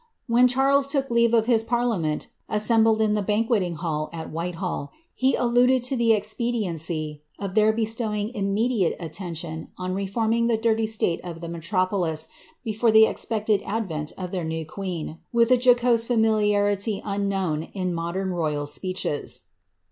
When Charles took leave of his parlia nent, assembled in the Banqueting Hall at Whitehall, he alluded to the expediency of their bestowing immediate attention on reforming the dirty slate of the metropolis, before the expected advent of tlieir new queeiu with a jocose familiarity unknown in modern royal speeches.